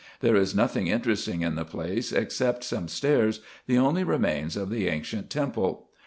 There is nothing interesting in the place, except some stairs, the only remains of the ancient temple.